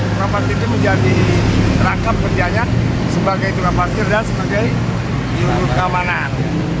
kenapa tidak menjadi rangkap kerjanya sebagai tukang parkir dan sebagai juru keamanan